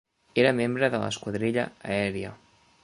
Era membre de l'esquadrilla aèria.